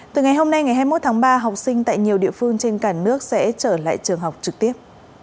từ ngày hôm nay ngày hai mươi một tháng ba học sinh tại nhiều địa phương trên cả nước sẽ trở lại trường học trực tiếp